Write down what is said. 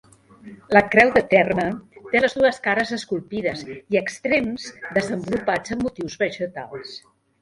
La creu de terme té les dues cares esculpides i extrems desenvolupats en motius vegetals.